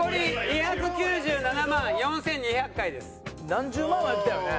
何十万はいきたいよね。